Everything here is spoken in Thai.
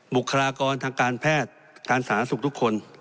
บุคลากรทางการแพทย์การสาธารณสุขทุกคน